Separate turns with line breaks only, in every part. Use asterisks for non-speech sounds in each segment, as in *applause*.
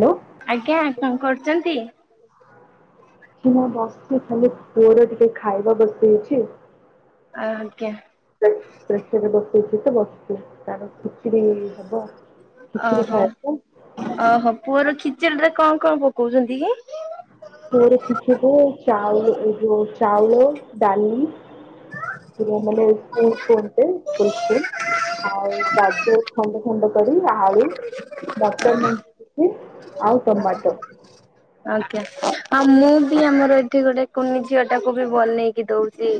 Hello
ଆଜ୍ଞା କଣ କରୁଛନ୍ତି?
କିଛି ନା ବସିଛି ଖଲି ପୁଅର ଟିକେ ଖାଇବା ବସି ହେଇଛି।
ଆ ଆଜ୍ଞା
ପ୍ରେସରରେ ବସେଇଛି ତ ବସିଛି ତାର ଖିଚିଡି ହବ ଖିଚିଡି
ଓହୋ
ଖାଇବ
ଓହୋ ପୁଅର ଖିଚଡ଼ି ରେ କଣ କଣ ପକଉଛନ୍ତି କି?
ପୁଅର ଖିଚେଡ଼ି ଚାଉଳ ଏ ଯ ଚାଉଳ ଡାଲି ମାନେ ସ୍କୁଲ କୁଟେ ସ୍ଲ ସ୍କୁଲ ଆଉ ରାଜ ଖଣ୍ଡ ଖଣ୍ଡ *unintelligible* *inaudible* ଟମାଟୋ।
*unintelligible* ଆଜ୍ଞା ଆଉ ମୁଁ ବି ଆମର ଏଠି ଗୋଟେ କୁନି ଝିଅ ଟାକୁ ବି ବନେଇକି ଦଉଛି।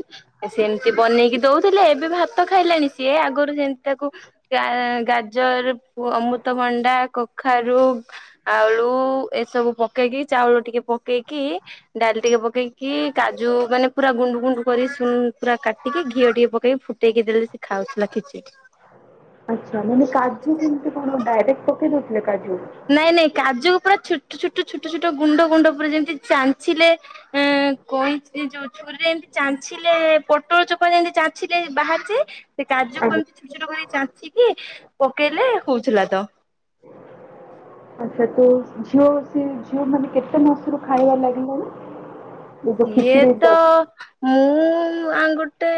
ସେମିତି ବନେଇକି ଦଉଥିଲେ ଏବେ ଭାତ ଖାଇଲାଣି ସିଏ ଆଗରୁ ଯେମିତି ତାକୁ ଗା ଗାଜର ଅମୃତଭଣ୍ଡା କଖାରୁ ଆଳୁ ଏସବୁ ପକେଇକି ଚାଉଳ ଟିକେ ପକେଇକି ଡାଲି ଟିକେ ପକେଇକି କାଜୁ ମାନେ ପୁରା ଗୁଣ୍ଡୁ ଗୁଣ୍ଡୁ କରି ପୁରା କାଟିକି ଘିଅ ଟିକେ ପକେଇକି ଫୁ ଟେଇକି ଦେଲେ ସେ ଖାଉଥିଲା ଖିଚିଡି
ସେ କଣ ଡାାଇରେକ୍ଟ ପକେଇ ଦେଉଥିଲେ କାଜୁ
ନାଇଁ ନାଇଁ କାଜକୁ ପୁରା ଛୋଟ ଛୋଟ ଛୋଟ ଛୋଟ ଗୁଣ୍ଡ ଗୁଣ୍ଡ ପୁରା ଯେମିତି ଚାଞ୍ଚିଲେ ଏ
*unintelligible*
କଇଁଚି ଯୋଉ ଛୁରୀରେ ଏମିତି ଚାଞ୍ଚିଲେ ପୋଟଳ ଚୋପା ଯେମିତି ଚାଞ୍ଚିଲେ ବାହାରିଯାଏ। ସେ କାଜୁକୁ
ଆଜ୍ଞା।
ଏମିତି ଛୋଟ ଛୋଟ କରି ଚାଞ୍ଚି କି ପକେଇଲେ ହଉଥିଲା ତ
*unintelligible* ଆଚ୍ଛା ତ ଝିଅ ସେ ଝିଅ ମାନେ କେତେ ମାସରୁ ଖାଇବା ଲାଗିଲାଣି *unintelligible*
ୟିଅ
ଖିଚିଡି
ତ
ଟାଇପ
ମୁଁ ଆ ଗୋଟେ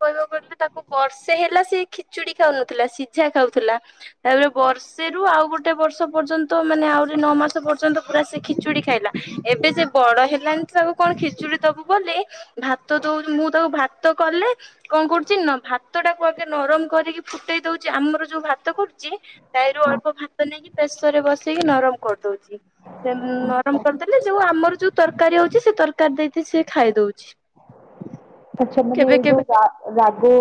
କହିବାକୁ କହିଲେ ତାକୁ ବର୍ଷେ ହେଲା ସେ ଖିଚୁଡି ଖାଉନଥିଲା ସିଝା ଖାଉଥିଲା। ତାପରେ ବର୍ଷେରୁ ଆଉ ଗୋଟେ ବର୍ଷ ପର୍ଯ୍ୟନ୍ତ ମାନେ ଆହୁରି ନଅ ମାସ ପର୍ଯ୍ୟନ୍ତ ପୁରା ସେ ଖିଚୁଡି ଖାଇଲା। ଏବେ ସେ ବଡ ହେଲାଣି ତ ଆଉ କଣ ଖିଚୁଡି ଦବୁ ବୋଲି ଭାତ ଦଉ ମୁଁ ତାକୁ ଭାତ କଲେ କଣ କରୁଛି ନା ଭାତ ଟାକୁ ଆଗେ ନରମ କରିକି ଫୁଟେଇ ଦଉଛି ଆମର ଯୋଉ ଭାତ କରୁଛି ତାଈରୁ ଅଳ୍ପ ଭାତ ନେଇକି ପ୍ରେସର ରେ ବସେଇକି ନରମ କରିଦଉଛି। ସେ ନରମ କରିଦେଲେ ଯୋଉ ଆମର ଯୋଉ ତରକାରୀ ହଉଛି ସେ ତରକାରୀ ଦେଇକି ସେି ଖାଇଦଉଛି।
ଆଚ୍ଛା ମାନେ ଯୋଉ ରା ରାଗ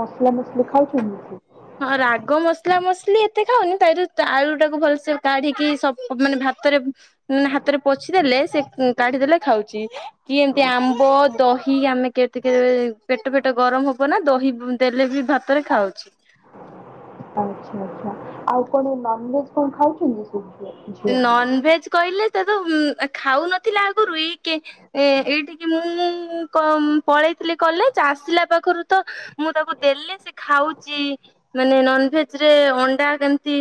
ମସଲା ମସଲି ଖାଉଛନ୍ତି ସେ
ହଁ ରାଗ ମସଲା ମସଲି ଏତେ ଖାଉନି ତାହିଁରୁ ଆଳୁ ଟାକୁ ଭଲସେ କାଢିକି ସ ମାନେ ଭାତରେ ହାତରେ ପୋଛିଦେଲେ ସେ କାଢିଦେଲେ ଖାଉଛି। କି ଏମତି ଆମ୍ବ ଦହି ଆମେ କେ ଟିକେ ପେଟ ଫେଟ ଗରମ ହବ ନା ଦହି ଦେଲେ ବି ଭାତରେ ଖାଉଛି।
ଆଛା ଆଛା ଆଉ କଣ ନନ ଭେଜ କଣ ଖାଉଛନ୍ତି କି
ନନ ଭେଜ କହିଲେ ତ ତ ଖାଉନଥିଲା ଆଗରୁ ଏକେ ଏ ଏଇଠିକି ମୁଁ ପଳେଇଥିଲି କଲେଜ ଆସିଲା ପାଖରୁ ତ ମୁଁ ତାକୁ ଦେଲେ ସେ ଖାଉଛି ମାନେ ନନଭେଜ ରେ ଅଣ୍ଡା ଯେମିତି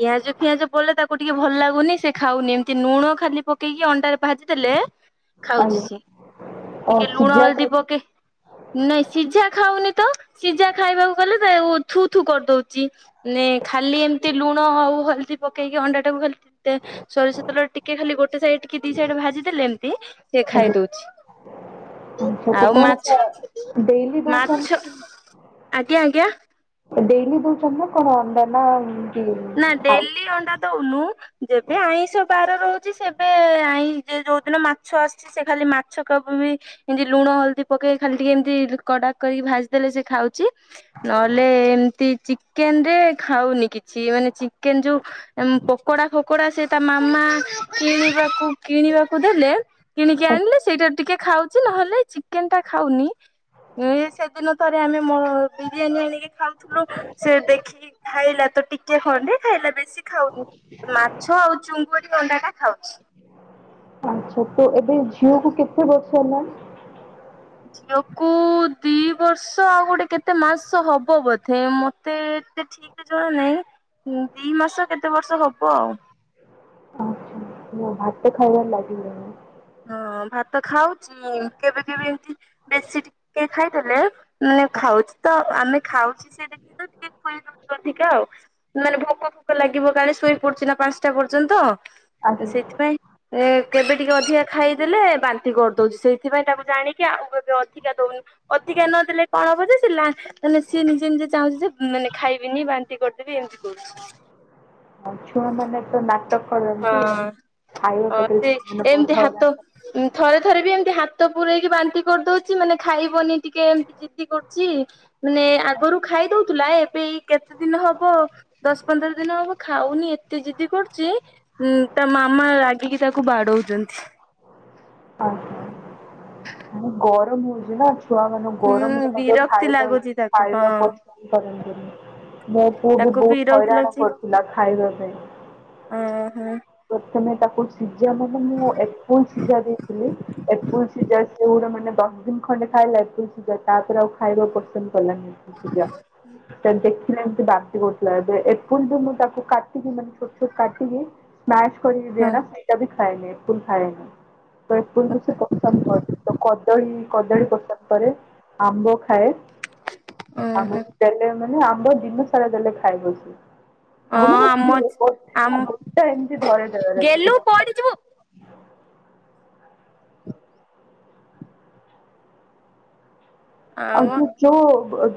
ପିଆଜ ଫି ଆଜ ପଡ଼ିଲେ ତାକୁ ତା ଟିକେ ଭଲ ଲାଗୁନି ସେ ଖାଉନି ଏମିତି ଲୁଣ ଖାଲି ପକେଇକି ଅଣ୍ଡାରେ ଭାଜି ଦେଲେ ଖାଉଛି
ଆଜ୍ଞା
ସିଏ
ଓ
ଟିକେ ଲୁଣ
ସିଝା
ହଳଦୀ
କରି
ପକେଇ ନାଇଁ ସିଝା ଖାଉନି ତ ସିଝା ଖାଇବାକୁ ଗଲେ ଥୁ ଥୁ କରିଦଉଛି। ଚି ନେ ଖାଲି ଏମିତି ଲୁଣ ଆଉ ହଳଦୀ ପକେଇକି ଅଣ୍ଡା। ଏଟାକୁ ଖାଲି ସୋରିଷ ତେଲ ଟିକେ ଖାଲି ଗୋଟେ ସାଇଡ ଟିକେ ଦି ସାଇଡ୍ ଭାଜି ଦେେଲେ ଏମିତି। ସେ
ଆଜ୍ଞା
ଖାଇ ଦଉଛି।
ଆଚ୍ଛା ତ
ଆଉ
କଣ
ମାଛ
ଏଇଟା ଡେଲି
ମାଛ
ଦଉଛନ୍ତି
ଆଜ୍ଞା ଆଜ୍ଞା।
ଏ ଡେଲି ଦଉଛନ୍ତି *unintelligible* ନା କଣ ଅଣ୍ଡା ନା ବି
ନା ଡେଲି ଅଣ୍ଡା ଦଉନୁ ଯେବେ ଆଇଁଷ ବାର ରହୁଛି ସେ ଯେ ଯୋଉଦିନ ମାଛ ଆସିଛି ସେ ଖାଲି ମାଛ କବ ବି ଏମିତି ଲୁଣ ହଳଦୀ ପକେଇ ଖାଲି ଟିକେ ଏମିତି କଡାକ କରିକି ଭାଜିଦେଲେ ସେ ଖାଉଛି। ନହେଲେ ଏମତି ଚିକେନ ରେ ଖାଉନି କିଛି ମାନେ ଚିକେନ ଯୋଉ ପକୋଡା ଫକୋଡା ସେ ତା ମାମା କିଣିବାକୁ କିଣିବାକୁ ଦେଲେ କିଣିକି ଆଣିଲେ ସେଇଟା ଟିକେ ଖାଉଛି ନହେଲେ ଚିକେନ ଟା ଖାଉନି। ଏ ସେଦିନ ଥରେ ଆମେ ବିରିୟାନୀ ଆଣିକି ଖାଉଥୁଲୁ ସେ ଦେଖି କି ଖାଇଲା। ତ ଟିକେ ଖଣ୍ଡେ ଖାଇଲା ବେଶି ଖାଉନି ମାଛ ଆଉ ଚୁଙ୍ଗୁଡ଼ି ଅଣ୍ଡା ଟା ଖାଉଛି।
ଆ୍ଛା ତ ଏବେ ଝିଅକୁୁ କେତେ ବର୍ଷ ହେଲାଣି?
ଝିଅକୁ ଦି ବର୍ଷ ଆଉ ଗୋଟେ କେତେ ମାସ ହବ ବୋଧେ ମତେ ତେ ଠିକରେ ଜଣା ନାହିଁ ଦି ମାସ କେତେ ବର୍ଷ ହବ ଆଉ।
ଅହ ଜଉ ଭାତ ଖାଇବାର ଲାଗିଲେଣି।
ହଁ ଭାତ ଖାଉଛି କେବେ କେବେ ଏମତି ବେଶୀ ଟିକେ ଖାଇଦେଲେ ମାନେ ଖାଉଛି ତଆଉ ଆମେ ଖାଉଛି ସେ ଦେଖି *unintelligible* ଅଧିକା ଆଉ। ମାନେ ଭୋକ ଫୋକ ଲାଗିବ କାଳେ ଶୋଇ ପଡୁଛି ନା ପାଞ୍ଚଟା ପର୍ଯ୍ୟନ୍ତ। ତ
ଆଜ୍ଞା
ସେଥିପାଇଁ ଏ କେବେ ଟିକେ ଅଧିକା ଖାଇଦେଲେ ବାନ୍ତି କରିଦଉଛି ସେଇଥିପାଇଁ ତାକୁ ଜାଣିକି ଆଉ କେବେ ଅଧିକା ଦଉନି। ଅଧିକା ନଦେଲେ କଣ ହବଯେ ସେ ଲା ତାହେଲେ ସିଏ ନିଜେ ନିଜେ ଚାହୁଁଛି ଯେ ମାନେ ଖାଇବିନି ବାନ୍ତି କରିଦେବି ଏମିତି କରୁଛି।
ହଁ ଛୁଆମାନେ ତ ନାଟକ କରନ୍ତି
ହଁ
ଖାଇବା ପାଖେରେ
ସେ
ଚିକେନ ବୋଧ
ଏମିତି ହାତ
ହେଲାଣି।
ଥରେ ଥରେ ବି ଏମିତି ହାତ ପୁରେଇକି ବାନ୍ତି କରିଦଉଛି ମାନେ ଖାଇବନି ଟିକେ ଜିଦି କରୁଛି ମାନେ ଆଗରୁ ଖାଇ ଦଉଥିଲା ଏବେ ଏଇ କେତେ ଦିନ ହବ ଦଶ ପନ୍ଦର ଦିନ ହବ ଖାଉନି ଏତେ ଜିଦି କରୁଛି। ହୁଁ ତା ମାମା ରାଗିକି ତାକୁ ବାଡଉଛନ୍ତି।
ଆ ମାନେ ଗରମ ହଉଛି ନା। ଛୁଆ ମାନେ
ହୁଁ
ଗରମରେ ମଧ୍ୟ
ବିରକ୍ତି
ଖାଇବା
ଲାଗୁଛି ତାକୁ ହଁ
ଖାଇବା ପସନ କରନ୍ତିନି ମୋ ପୁଅ ବି
ତାକୁ
ବହୁତ
ବିରକ୍ତି
ହଇରାଣ କରୁଥିଲା ଖାଇବା ପାଇଁ।
ଉ ହୁଁ।
ପ୍ରଥମେ ତାକୁ ସିଝା ମାନେ ମୁଁ ଏପଲ ସିଝା ଦେଇଥିଲି ଏପୁଲ ସିଝା ସେଗୁଡା ମାନେ ଦଶ ଦିନ ଖଣ୍ଡେ ଖାଇଲା ଆପୁଲ ସିଜା ତାପରେ ଆଉ ଖାଇବା ପସନ୍ କଲାନି ସେ ସିଜା ଦେଖିଲେ ଏମିତି ବାନ୍ତି କରଥିଲା ଏବେ ଏପୁଲ ଦ ମୁଁ ତାକୁ କା କାଟିିକି ମାନେ ଛୋଟ ଛୋଟ କାଟିିକି ସ୍ମାସ କରିିକି
ହଁ
ଦିଏନା ସେଇଟା ବି ଖାଏନି ଏପୁଲ ଖାଏନି। ତ ଆପୁଲ କୁ ସେ ପସନ୍ଦ କରେ ନି ତ କଦଳୀ କଦଳୀ ପସନ୍ଦ କରେ। ଆମ୍ବ ଖାଏ।
ଓହୋ
ଆମ୍ବକୁ ଦେଲେ ମାନେ ଆମ୍ବ ଦିନ ସାରା ଦେଲେ ଖାଇବ ସିଏ।
ହଁ
ଆଉ ମାନେ
ଆମ
ଗୋଟା ଗୋଟା ଏମିତି ଧରେଇ ଦେବାର ଅଛି ତାକୁ।
କୁଆଡେ ଯିବ।
ଆଉ ଯୋଉ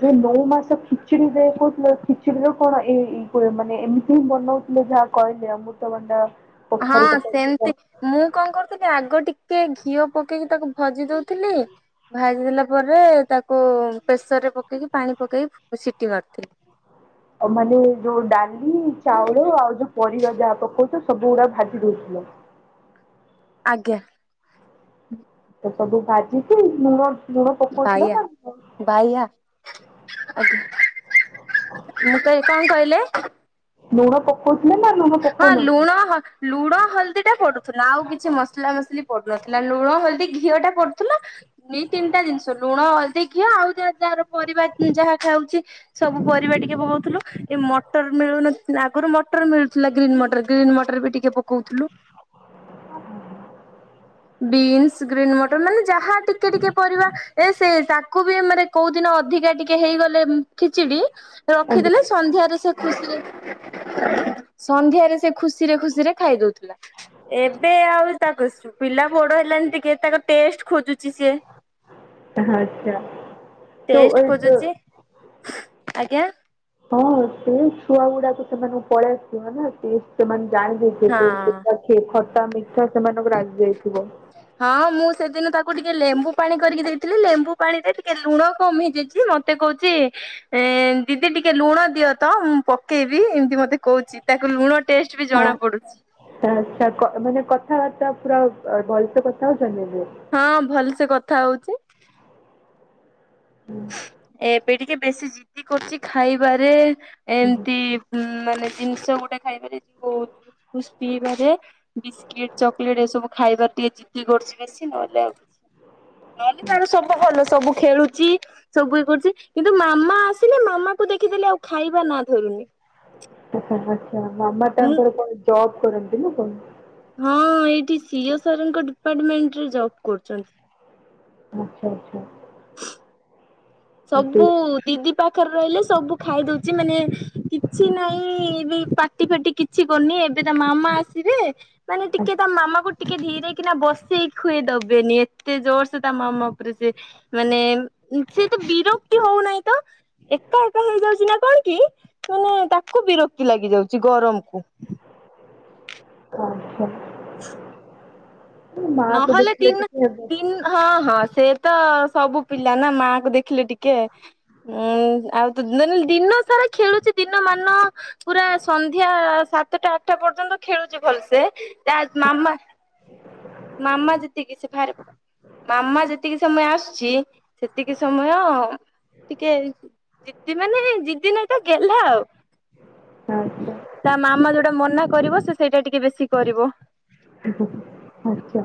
ଯୋଉ ନଉ ମାସ ଖିଚୁଡି ଦେ କହୁଥିଲ ଖିଚୁଡିର କଣ ଏଇ ମାନେ ଏମିତି ହିଁ ବନଉଥିଲେ ଯାହା କହିଲେ ଅମୃତଭଣ୍ଡା। କଖାରୁ
ହାଁ- ସେମ୍ତି।
ପକେଇକି
ମୁଁ କନ୍ କର୍ଥି ଆଗ ଟିକେ୍ ଘିଅ ପକେଇକି ତାକୁ ଭାଜି ଦଉଥିଲି। ଭାଜି ଦେଲା ପରେ ତାକୁ ପ୍ରେସର୍ ରେ ପକେଇକି ପାଣି ପକେଇକ ସିଟି ମାରିଥିଲି।
ତାମାନେ ଯୋଉ ଡାଲି ଚାଉଳ ଆଉ ଯୋଉ ପରିବା ଯାହା ପକଉଛୁ ସବୁ ଗୁଡା ଭାଜି ଦଉଥିଲ।
ଆଜ୍ଞା।
ତ ସବୁ ଭାଜିଛିକି ଲୁଣ-ଲୁଣ ପୋକଉଥିଲ
ବାଇଆ
ନା *unintelligible*
ବାଇଆ ଆଜ୍ଞା ମୁଁତେ କାହିଁ କହିଲେ?
ଲୁଣ ପକ୍ଉଥିଲ ନା ଲୁଣ
ହଁ
ପକଉନଥିଲେ?
ଲୁଣ-ହଁ- ଲୁଣ ହଳ୍ଦୀ ଟା ପଡୁଥିଲା ଆଉ କିଛି ମସ୍ଲା ମସ୍ଲି ପଡୁନଥିଲା ଲୁଣ ହଳଦୀ ଘିଅ ଟା ପଡୁଥିଲା। ଦୁଇ, ତିନ୍ ଟା ଜିନିଷ ଲୁଣ, ହଳଦି, ଘିଅ ଆଉ ଯା ଯାହାର ପରିବାର ଉଁ ଯାହା ଖାଉଛି-। ସବୁ ପରିବା ଟିକେ ପହଉଥିଲ ଏ ମଟର୍ ମିଳୁନ ଥିଲା ଆଗରୁ ମଟର ମିଳୁ- ଥିଲା ଗ୍ରୀନ୍ ମଟର୍ ଗ୍ରୀନ୍ ମଟର୍ ବି ଟିକେ ପକଉଥିଲୁ। ବିନ୍ସ ଗ୍ରୀନ୍ ମଟର୍ ମାନେ ଯାହା ଟିକେ ଟିକେ ପରିବା ଏ ସେ ତାକୁ ବି ମାନେ କୋଉ ଦିନ ଅଧିକା ଟିକେ ହେଇଗଲେ ହୁଁ ଖିଚିଡି ରଖିଦେଲେ ସନ୍ଧ୍ୟାରେ ସେ ଖୁସିରେ ଖା- *unintelligible* ସନ୍ଧ୍ୟାରେ ସେ ଖୁସିରେ ଖୁସିରେ ଖାଇ ଦଉ ଥିଲା ଏବେ ଆଉ ତାକୁ ସୁପିଲା ବଡ ହେଲାନି ଟିକେ ତାକ ଟେଷ୍ଟ୍ ଖୋଜୁଛି ସିଏ।
ଆଁହାଁ ଆଚ୍ଛା ତ-ଓ-ତୋ
ଫୁ ଆଜ୍ଞା।
ହଁ-ହଁ ସେ ଛୁଆ ଗୁଡାକୁ ସେମାନ ପଳାଇ ସେମାନେ ତେ ତେମାନେ ଜାଣିବେ
ହଁ।
ସେଠୁ ଖଟା, ମିଠା ଟା ମିଠା ସେମାନଙ୍କ ରାଗି ଯାଇଥିବ।
ହଁ ମୁଁ ସେଦିନ ତାକୁ ଟିକେ ଲେମ୍ବୁ ପାଣି କରିକି ଦେଇଥିଲି ଲେମ୍ବୁ ପାଣି ରେ ଟିକେ ଲୁଣ କମ୍ ହେଇଯାଇଛି ମତ୍ ତେ କହୁଛି ଏ ଦିଦି ଟିକେ ଲୁଣ ଦିଅ ତ ମୁଁ ପକେଇବି ଏମ୍ତି ମତେ କହୁଛି। ତାକୁ ଲୁଣ ଟେଷ୍ଟ୍ ବି ଜଣା ପଡୁଛି।
ଚ୍ଛା-ଆଚ୍ଛା କ ମାନେ କଥାବାର୍ତ୍ତା ପୁରା ଆ-ଭଲ୍ ସେ କଥା ହଉଛନ୍ତି ଏବେ।
ହଁ ଭଲସେ କଥା ହଉଛି।
ହୁଁ।
ଏବେ ଟିକେ ବେଶୀ ଜିଦି କରୁଛି ଖାଇବାରେ ଏମତି ଉଁ ମାନେ ଜିନିଷ ଗୋଟେ ଖାଇବାରେ ବହୁତ୍ *unintelligible* ହେଇପାରେ। ବିସ୍କିଟ ଚକଲେଟ ଏସବୁ ଖାଇବାର ଟିକେ ଜିତି କରୁଛି ବେଶି ନହେଲେ ଆଉ ନହେଲେ ତାର ସବୁ ଭଲ ସବୁ ଖେଳୁଚି ସବୁ ଇଏ କରୁଛି କିନ୍ତୁ ମାମା ଆସିଲେ ମାମା କୁ ଦେଖିଦେଲେ ଆଉ ଖାଇବା ନା ଧରୁନି।
ଆଚ୍ଛା ଆଚ୍ଛା ମାମା
ମୁଁ
ତାଙ୍କର କଣ ଜବ୍ କରନ୍ତି ନା କଣ?
ହଁ ଏଇଠି ସିଏସ୍ ଆରଙ୍କ ଡିପାର୍ଟମେଣ୍ଟ ରେ ଜବ୍ କରୁଛନ୍ତି।
ଆଚ୍ଛା ଆଚ୍ଛା। ଆଉ ସେ
ସବୁ ଦିଦି ପାଖରେ ରହିଲେ ସବୁ ଖାଇ ଦେଉଛି ମାନେ କିଛି ନାହିଁ ବି ଫିଟି ଫାଟି କିଛି କରୁନି ଏବେ ତା ମାମା ଆସିବେ ମାନେ ଟିକେ ତା ମାମା କୁ ଟିକେ ଧୀରେ କିନା ବସେଇ ଖୁଏଇ ଦେବେନି ଏତେ ଜୋର ସେ ତା ମାମା ଉପରେ ସେ ମାନେ ସେ ତ ବିରକ୍ତି ହେଉନାହିଁ ତ। ଏକା ଏକା ହେଇଯାଉଛି ନା କଣ କି ମାନେ ତାକୁ ବିରକ୍ତି ଲାଗି ଯାଉଛି ଗରମକୁ।
ଆଚ୍ଛା। ମା କୁ
ନହଲେ
ଦେଖିଲେ
ଦିନ
ଟିକେ ହେବ
ଦିନ। ହଁ ହଁ ସେ ତ ସବୁ ପିଲା ନା ମା କୁ ଦେଖିଲେ ଟିକେ। ହୁଁ ଆଉ *unintelligible* ଦିନ ସାରା ଖେଳୁଛି ଦିନ ମାନ ପୁରା ସନ୍ଧ୍ୟା ସାତଟା ଆଠଟା ପର୍ଯ୍ୟନ୍ତ ଖେଳୁଛି ଭଲସେ, ତା ମାମା
*inaudible*
ମାମା ଯେତିକି ସେ *unintelligible* ମାମା ଯେତିକି ସମୟ ଆସୁଛି, ସେତିକି ସମୟ ଟିକେ ଜିଦି ମାନେ ଜିଦି ନାଇ ତ ଗେଲ୍ହା ଆଉ।
ଆଚ୍ଛା
ତା ମାମା ଯୋଉଟା ମନା କରିବ ସେ ସେଇଟା ଟିକେ ବେଶୀ କରିବ।
*unintelligible* ଆଚ୍ଛା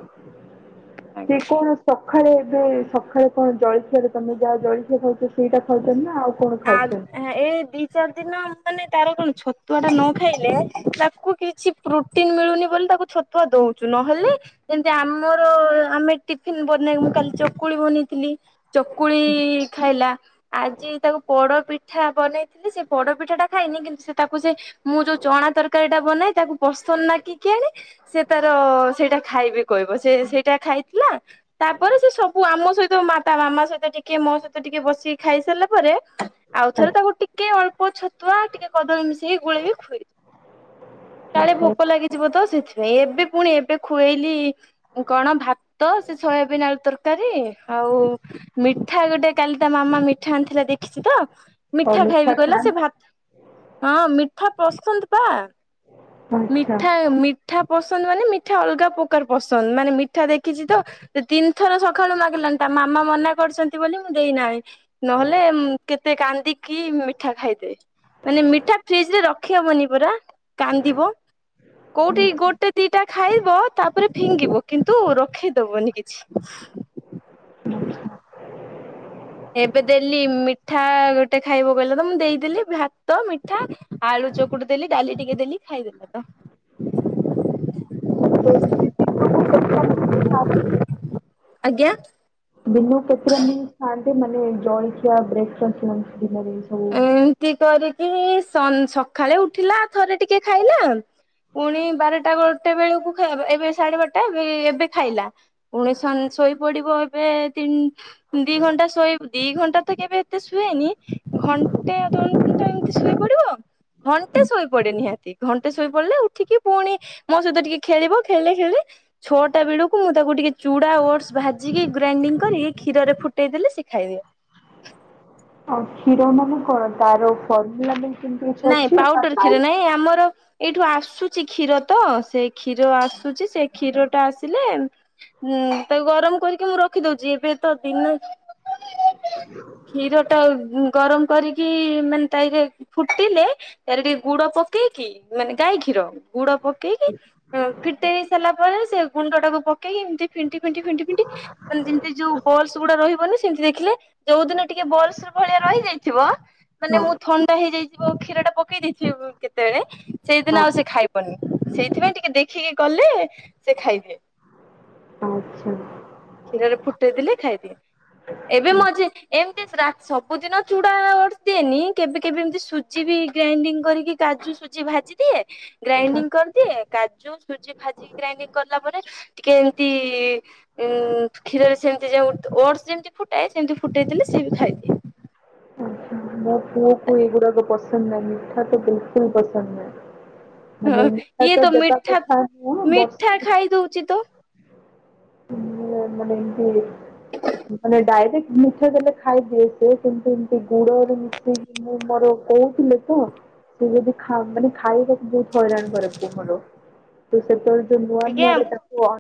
ଆଜ୍ଞା।
ସେ କଣ ସ ସଖାଳେ ଏବେ ସଖାଳେ କଣ ଜଳଖିଆ ଦୋକାନକୁ ଯାଅ ଜଳଖିଆ ଖାଉ ସେଇଟା ଖାଉଛନ୍ତି ନା ଆଉ କଣ ଖାଉଛନ୍ତି?
ଏ ଦି ଚାରି ଦିନ ମାନେ ତାର କଣ ଛତୁଆ ଟା ନ ଖାଇଲେ ତାକୁ କିଛି ପ୍ରୋଟିନ ମିଳୁନି ବୋଲି ତାକୁ ଛତୁଆ ଦଉଛୁ, ନହେଲେ ଯେମିତି ଆମର ଆମେ ଟିଫିନ ବନେଇବୁ, ମୁଁ କାଲି ଚକୁଳି ବନେଇଥିଲି। ଚକୁଳି ଖାଇଲା। ଆଜି ତାକୁ ପଡ ପି ପିଠା ବନେଇଥିଲି ସେ ପଡ ପିଠା ଟା ଖାଇନି କିନ୍ତୁ ସେ ତାକୁ ସେ ମୁଁ ଯୋଉ ଚଣା ତରକାରୀ ବନାଏ ତାକୁ ପସନ୍ଦ ନା କି କି ଆଣେ ସେ ତାର ସେଇଟା ଖାଇବି କହିବ, ସେ ସେଇଟା ଖାଇଥିଲା। ତାପରେ ସେ ସବୁ ଆମ ସହିତ ମା ତା ମାମା ସହିତ ଟିକେ ମୋ ସହିତ ଟିକେ ବସ ଖାଇସାରିଲା ପରେ, ଆଉଥରେ ତାକୁ
ଆଚ୍ଛା
ଟିକେ ଅଳ୍ପ ଛ ତୁଆ ଟିକେ କଦଳୀ ମିଶେଇି ଗୁଳେଇକି। *unintelligible* କାଳେ ଭୋକ
ଆଚ୍ଛା
ଲାଗି ଯିବ ତ ସେଥିପାଇଁ। ଏବେ ପୁଣି ଏବେ ଖୁଆଇଲି କଣ ଭାତ ସେ ଶୟବିନ ଆଳୁ ତର *unintelligible* ଆଉ ମିଠା ଗୋଟେ କାଲି ତା ମାମା ମିଠା ଆଣିଥିଲା ଦେଖିଛି ତ
ଆଉ
ମିଠା ଖାଇବି କହିଲା ସେ
ଖାଆନ୍ତି
ଭାତ, ହଁ ମିଠା ପସନ୍ଦ ପା।
ଆଚ୍ଛା
ମିଠା ମିଠା ପସନ୍ଦ ମାନେ ମିଠା ଅଲଗା ପ୍ରକାର ପସନ୍ଦ। ମାନେ ମିଠା ଦେଖିଛି ତ ସେ ତିନି ଥର ସକାଳୁ ମାଗିଲାଣି ତା ମାମା ମନା କରୁଛନ୍ତି ବୋଲି ମୁଁ ଦେଇନାହିଁ। ନହେଲେ କେତେ କାନ୍ଦିକି ମିଠା ଖାଇଦେ। ମାନେ ମିଠା ଫ୍ରିଜ ରେ ରଖ ଖିଆହବନି ପରା, କାନ୍ଦିବ। କୋଉଠି ଗୋଟେ ଦିଟା ଖାଇବ, ତାପରେ ଫିଙ୍ଗିବ କିନ୍ତୁ ରଖେଇଦବନି କିଛି।
*unintelligible* *inaudible*
ଏବେ ଦେଲି ମିଠା ଗୋଟେ ଖାଇବ କହିଲ ତ ମୁଁ ଦେଇଦେଲି। ଭାତ ମିଠା ଆଳୁ ଚକୁଡୁ ଦେଲି ଡାଲି ଟିକେ ଦେଲି ଖାଇଦେଲା ତ।
*unintelligible*
ଆଜ୍ଞା?
ଦିନ କୁ *unintelligible* ଏସବୁ?
ତି କରିକି *unintelligible* ସକାଳେ ଉଠିଲା ଥରେ ଟିକେ ଖାଇଲା। ପୁଣି ବାରଟା ଗୋଟେ ବେଳକୁ ଖାଇବ, ଏବେ ସାଢେ ବାରଟା ଏ ଏବେ ଖାଇଲା। *unintelligible* ଶୋଇପଡିବ ଏବେ ତିନି ଦି ଘଣ୍ଟା ଶୋଇ, ଦି ଘଣ୍ଟା ତ କେବେ ଏତେ ଶୁଏନି, ଘଣ୍ଟେ *unintelligible* ଶୋଇ ପଡିବ, ଘଣ୍ଟେ ଶୋଇପଡେ ନିହାତି। ଘଣ୍ଟେ ଶୋଇ ପଡିଲେ ଉଠିକି ପୁଣି ମୋ ସହିତ ଟିକେ ଖେଳିବ। ଖେଳିଲେ ଖେଳିଲେ ଛଅଟା ବେଳକୁ ମୁଁ ତାକୁ ଟିକେ ଚୁଡା ଓଟସ ଭାଜିକି ଗ୍ରାଇଣ୍ଡିଙ୍ଗ କରିକି କ୍ଷୀରରେ ଫୁଟେଇଦେଲି ସେ ଖାଇଦିଏ।
ଆଉ କ୍ଷୀର ମାନେ କଣ ତାର *unintelligible* ମାନେ
ନାଇଁ ପାଉଡର କ୍ଷୀର ନାଇଁ, ଆମର ଏଇଠୁ ଆସୁଛି କ୍ଷୀର ତ, ସେ କ୍ଷୀର ଆସୁଛି ସେ କ୍ଷୀର ଟା ଆସିଲେ ହୁଁ ତାକୁ ଗରମ କରିକି ମୁଁ ରଖିଦଉଛି। ଏବେ ତ ଦିନ କ୍ଷୀରଟା ଗରମ କରିକି ମାନେ ତାହିରେ ଫୁଟିଲେ ତାରେ ଟିକେ ଗୁଡ ପକେଇକି। ମାନେ ଗାଈ କ୍ଷୀର ଗୁଡ ପକେଇକି ଫିଟେଇ ସାରିଲା ପରେ ସେ ମୁଣ୍ଡାଟାକୁ ପକେଇକି ଏମତି ଫିଣ୍ଟି ଫିଣ୍ଟି ଫିଣ୍ଟି ଫିଣ୍ଟି ଫିଣ୍ଟି ମାନେ ଯେମିତି ଯୋଉ ବଲସ ଗୁଡା ରହିବନି ସେମିତି ଦେଖିଲେ। ଯୋଉ ଦିନ ଟିକେ ବୋଲ୍ସ ଭଳିଆ ରହିଯାଇଥିବ ମାନେ
ହଁ
ମୁଁ ଥଣ୍ଡା ହେଇଯାଇ ଯ କ୍ଷୀରଟା ପକେଇ ଦେଇଥିବ କେତେବେଳେ
ହଁ
ସେଇଦିନ ଆଉ ସେ ଖାଇବନି। ସେଇଥିପାଇଁ ଟିକେ ଦେଖିକି କଲେ ସେ ଖାଇଦିଏ।
ଆଚ୍ଛା
କ୍ଷୀରରେ ଫୁଟେଇଦଲେ ଖାଇଦିଏ। ଏବେ ମଝେ ଏମିତି ସବୁଦିନ ଚୂଡା ଦିଏନି କେବେ କେବେ ଏମିତି କିଛି ବି ଗ୍ରାଇଣ୍ଡିଙ୍ଗ କରିକି କାଜୁ ସୁଜି ଭାଜି ଦିଏ। ଗ୍ରାଇଣ୍ଡିଙ୍ଗ କରିଦିଏ କାଜୁ ସୁଜି ଭାଜିି ଗ୍ରାଇଡିଙ୍ଗ କରଲା ପରେ ଟିକେ ଏମତି କ୍ଷୀରରେ ସେମତି ଓଡସ ଯେମିତି ଫୁଟାଏ ସେମିତି ଫୁଟେଇଥିଲେ ସିଏ ବି ଖାଇଦିଏ।
ଆଛା ମୋ ପୁଅକୁ ଏଇଗୁଡାକ ପସନ୍ଦ ନାହିଁ ମିଠା ତ ବିଲକୁଲ ପସନ୍ଦ ନାହିଁ।
ହଁ
ମାନେଟା
ଇଏ
ତ ଦେବା
ମିଠା
କଥା ନୁହ
ମିଠା
ବର୍ଷ
ଖାଇ ଦଉଛି ତ
*inaudible* ମାନେ ଡାଇରେକ୍ଟ ମିଠା ଦେଲେ ଖାଇଦିଏ ସେ। କିନ୍ତୁ ଏମତି ଗୁଡରେ ମିଶିକି ମୁଁ ମୋର କହୁଥିଲି। ତ ସେ ଯଦି ମାନେ ଖାଇବାକୁ ବହୁତ ହଇରାଣ କରେ ପୁଅ ମୋର। ସେତେବେଳେ ଯୋଉ ନୂଆ ନୁଆରେ ତାକୁ